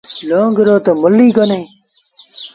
لونگ رو تا مُل ئي ڪونهي۔